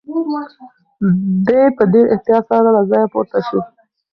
دی په ډېر احتیاط سره له ځایه پورته شو.